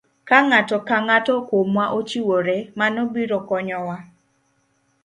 Ka ng'ato ka ng'ato kuomwa ochiwore, mano biro konyowa.